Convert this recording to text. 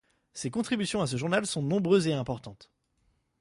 Ses contributions à ce journal sont nombreuses et importantes.